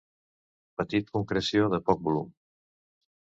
Petit concreció de poc volum.